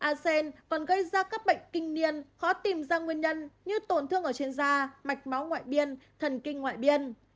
asen còn gây ra các bệnh kinh niên khó tìm ra nguyên nhân như tổn thương ở trên da mạch máu ngoại biên thần kinh ngoại biên